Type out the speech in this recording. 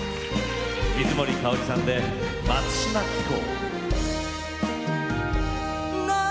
水森かおりさんで「松島紀行」。